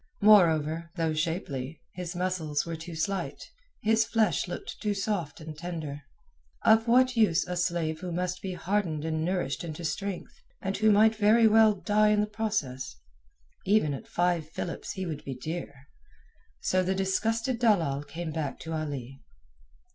Moreover, though shapely, his muscles were too slight, his flesh looked too soft and tender. Of what use a slave who must be hardened and nourished into strength, and who might very well die in the process? Even at five philips he would be dear. So the disgusted dalal came back to Ali.